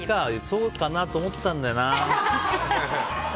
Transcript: そうかなと思ったんだよな。